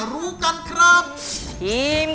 ขอบคุณก่อน